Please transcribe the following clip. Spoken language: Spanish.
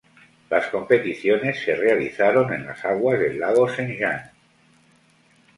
Las competiciones se realizaron en las aguas del lago Saint-Jean.